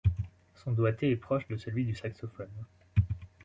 Son doigté est proche de celui du saxophone.